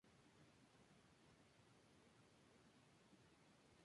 Uno de esos modelos lo constituye la superficie de una esfera, considerada bidimensional.